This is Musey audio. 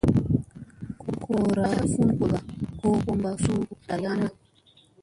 Goora ay fun goloŋga ,goo mambo suu ndariyamma.